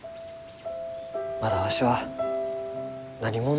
まだわしは何者でもない。